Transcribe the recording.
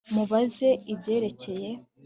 Mubaze ibyerekeye